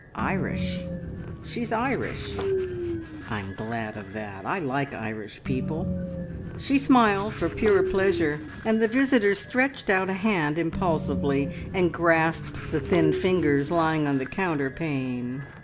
"Irish! She's Irish. I'm glad of that. I like Irish people." She smiled for pure pleasure, and the visitor stretched out a hand impulsively, and grasped the thin fingers lying on the counterpane.